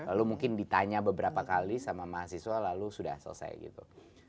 lalu mungkin ditanya beberapa kali sama mahasiswa lalu sudah selesai gitu